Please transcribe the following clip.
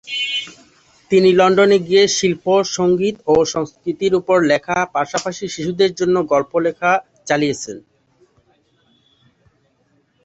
তিনি লন্ডনে গিয়ে, শিল্প, সংগীত ও সংস্কৃতির ওপর লেখা, পাশাপাশি শিশুদের জন্য গল্প লিখে চলেছেন।